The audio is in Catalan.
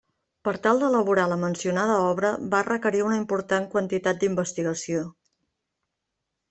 Per tal d’elaborar la mencionada obra va requerir una important quantitat d’investigació.